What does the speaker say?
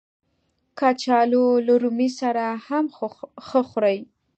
کچالو له رومي سره هم ښه خوري